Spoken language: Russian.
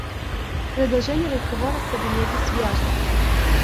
Продолжение разговора в кабинете Свияжского.